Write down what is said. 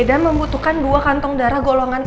dan membutuhkan dua kantong darah golongan a plus